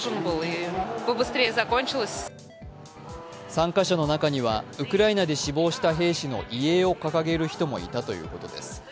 参加者の中にはウクライナで死亡した兵士の遺影を掲げる人もいたということです。